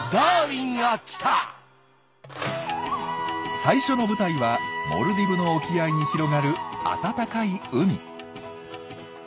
最初の舞台はモルディブの沖合に広がる暖かい海。